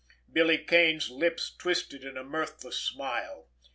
Billy Kane's lips twisted in a mirthless smile.